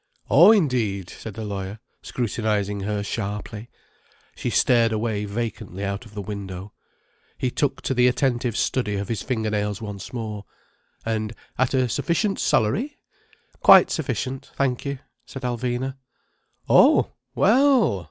"Oh indeed!" said the lawyer, scrutinizing her sharply. She stared away vacantly out of the window. He took to the attentive study of his finger nails once more. "And at a sufficient salary?" "Quite sufficient, thank you," said Alvina. "Oh! Well!